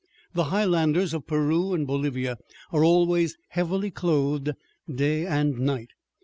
The Highlanders of Peru and Bolivia are always heavily clothed, day and night.